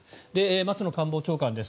松野官房長官です。